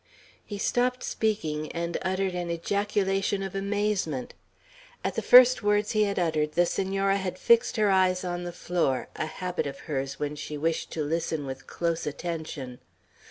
He stopped speaking, and uttered an ejaculation of amazement. At the first words he had uttered, the Senora had fixed her eyes on the floor, a habit of hers when she wished to listen with close attention.